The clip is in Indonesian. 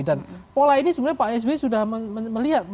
dan pola ini sebenarnya pak sb sudah melihat